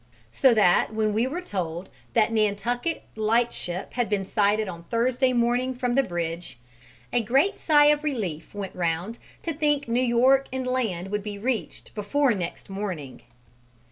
So that when we were told that Nantucket Lightship had been sighted on Thursday morning from the bridge, a great sigh of relief went round to think New York and land would be reached before next morning.